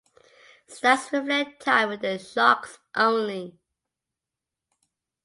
Stats reflect time with the Sharks only.